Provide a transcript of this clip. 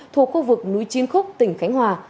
thuộc khu vực núi chiên khúc tỉnh khánh hòa